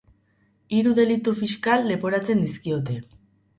Hiru delitu fiskal leporatzen dizkiote.